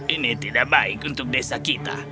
ini tidak baik untuk desa kita